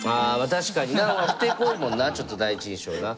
確かになふてこいもんなあちょっと第一印象な。